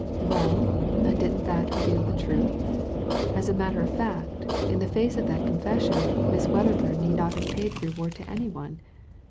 ''Well, and didn't that reveal the truth? As a matter of fact, in the face of that confession, Miss Wedderbum need not have paid the reward to any one.